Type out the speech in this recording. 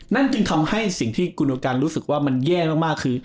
นั่นจึงทำให้สิ่งที่กุณการณ์รู้สึกว่ามันแย่มากคือ